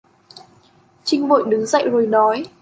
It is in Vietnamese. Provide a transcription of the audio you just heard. Chinh vội đứng dậy rồi nói